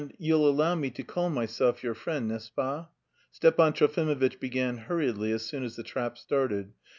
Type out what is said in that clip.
you'll allow me to call myself your friend, n'est ce pas?" Stepan Trofimovitch began hurriedly as soon as the trap started.